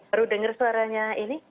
baru denger suaranya ini